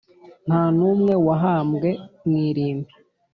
nta n’umwe wahambwe mw’irimbi